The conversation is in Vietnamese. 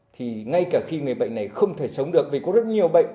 thì ngay cả khi người bệnh này không thể sống được vì có rất nhiều bệnh